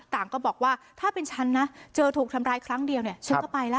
ต่างก็บอกว่าถ้าเป็นฉันนะเจอถูกทำร้ายครั้งเดียวเนี่ยฉันก็ไปแล้ว